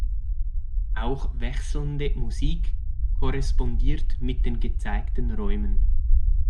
Auch wechselnde Musik korrespondiert mit den gezeigten Räumen.